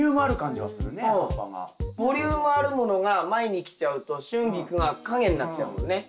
ボリュームあるものが前に来ちゃうとシュンギクが陰になっちゃうもんね。